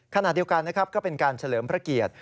ขณะเดียวกันนะครับก็เป็นการเฉลิมพระเกียรติ